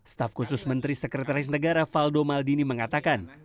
staf khusus menteri sekretaris negara valdo maldini mengatakan